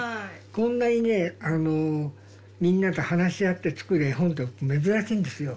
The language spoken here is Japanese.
こんなにねあのみんなと話し合って作る絵本って僕珍しいんですよ。